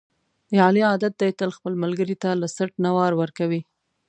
د علي عادت دی، تل خپل ملګري ته له څټ نه وار ورکوي.